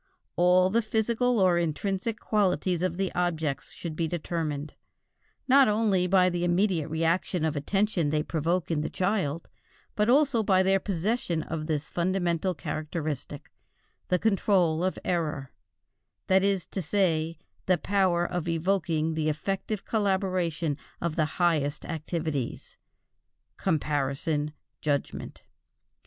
All the physical or intrinsic qualities of the objects should be determined, not only by the immediate reaction of attention they provoke in the child, but also by their possession of this fundamental characteristic, the control of error, that is to say the power of evoking the effective collaboration of the highest activities (comparison, judgment).